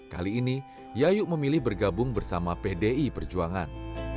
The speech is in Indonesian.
kali ini yayu memilih bergabung bersama pdi perjuangan